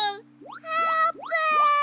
あーぷん。